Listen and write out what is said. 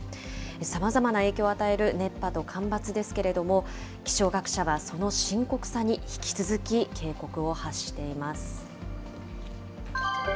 さまざまな影響を与える熱波と干ばつですけれども、気象学者はその深刻さに引き続き警告を発しています。